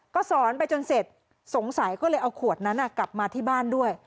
ก็สอนไปจนเสร็จสงสัยก็เลยเอาขวดนั้นกลับมาที่บ้านด้วย